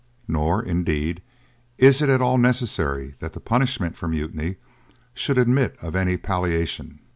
Nor, indeed, is it at all necessary that the punishment for mutiny should admit of any palliation.